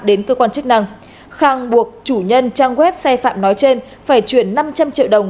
đến cơ quan chức năng khang buộc chủ nhân trang web xe phạm nói trên phải chuyển năm trăm linh triệu đồng